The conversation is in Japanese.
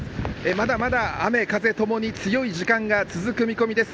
まだまだ雨風ともに強い時間が続く見込みです。